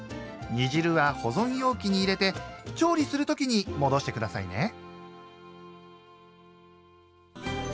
煮汁は保存容器に入れて調理するときに戻してくださいね。